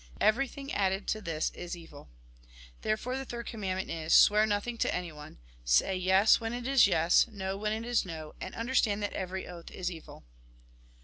Everything added to this is evil. Therefore, the third commandment is : Swear nothing, to anyone ; say " Yes," when it is yes, —" No," when it is no ; and understand that every oath is evil.